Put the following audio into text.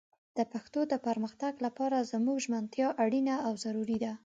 د پښتو د پرمختګ لپاره زموږ ژمنتيا اړينه او ضروري ده